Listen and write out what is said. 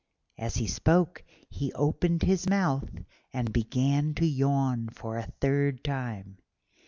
As he spoke he opened his mouth and began to yawn for the third time.